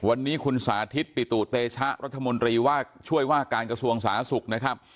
วันนี้คุณสาธิตปิตุเตชะรัฐมนตรีว่าช่วยว่าการกระทรวงสาธารณสุขนะครับ